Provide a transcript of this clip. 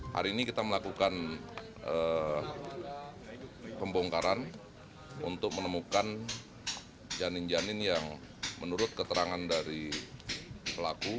hari ini kita melakukan pembongkaran untuk menemukan janin janin yang menurut keterangan dari pelaku